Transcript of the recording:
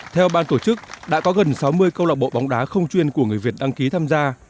theo ban tổ chức đã có gần sáu mươi câu lạc bộ bóng đá không chuyên của người việt đăng ký tham gia